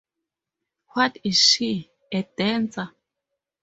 What is she — a dancer?